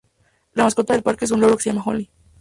La mascota del parque es un loro que se llama Holy.